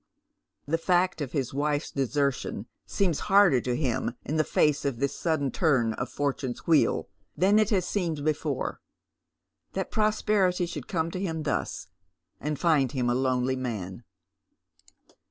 The fact of his wife's desertion seems harder to him in tht face of this sudden turn of fortune's wheel than it has seemed before. That prosperity should come to him thus, and find him a lonely man